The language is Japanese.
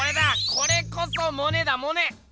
これこそモネだモネ！